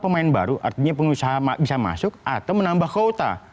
pemain baru artinya pengusaha bisa masuk atau menambah kuota